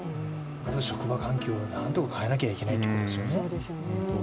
まず職場環境をなんとか変えなきゃいけないということですよね。